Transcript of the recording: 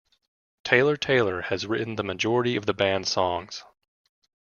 Taylor-Taylor has written the majority of the band's songs.